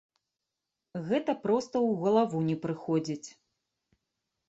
Гэта проста ў галаву не прыходзіць.